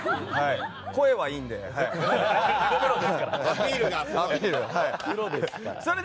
声はいいので。